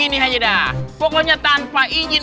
gini aja dah pokoknya tanpa izin